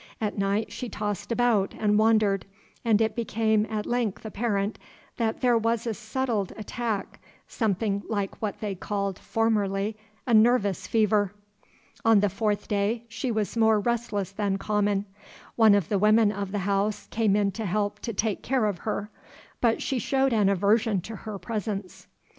At night she tossed about and wandered, and it became at length apparent that there was a settled attack, something like what they called, formerly, a "nervous fever." On the fourth day she was more restless than common. One of the women of the house came in to help to take care of her; but she showed an aversion to her presence.